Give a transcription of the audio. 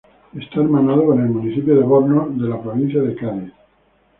Esta hermanado con el municipio Bornos de la provincia de Cádiz.